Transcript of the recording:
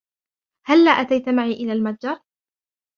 هلا أتيت معي إلى المتجر ؟